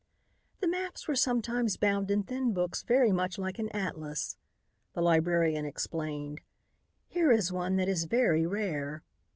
"The maps were sometimes bound in thin books very much like an atlas," the librarian explained. "Here is one that is very rare."